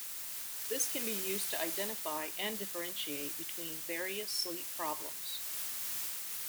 This can be used to identify and differentiate between various sleep problems.